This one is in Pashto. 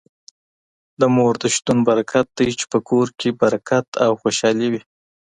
د مور د شتون برکت دی چي په کور کي برکت او خوشالي وي.